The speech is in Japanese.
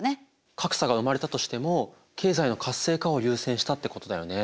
格差が生まれたとしても経済の活性化を優先したってことだよね。